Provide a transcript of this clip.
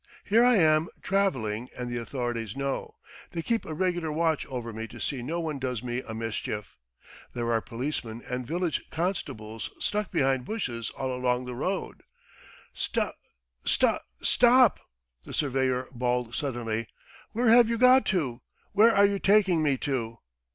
Here I am travelling and the authorities know ... they keep a regular watch over me to see no one does me a mischief. There are policemen and village constables stuck behind bushes all along the road. ... Sto ... sto .... stop!" the surveyor bawled suddenly. "Where have you got to? Where are you taking me to?"